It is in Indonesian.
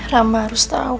rama harus tau